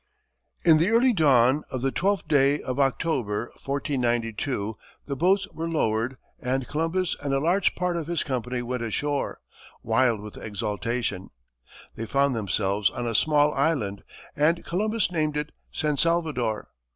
In the early dawn of the twelfth day of October, 1492, the boats were lowered, and Columbus and a large part of his company went ashore, wild with exultation. They found themselves on a small island, and Columbus named it San Salvador.